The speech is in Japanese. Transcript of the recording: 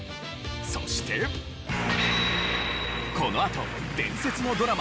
そしてこのあと伝説のドラマ